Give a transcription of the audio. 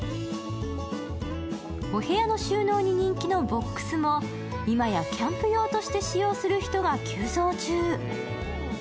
お部屋の収納に人気のボックスも今やキャンプ用として使用する人が急増中。